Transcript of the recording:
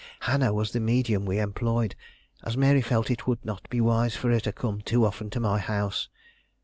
Hannah was the medium we employed, as Mary felt it would not be wise for her to come too often to my house.